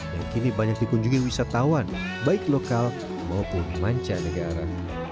yang kini banyak dikunjungi wisatawan baik lokal maupun mancanegara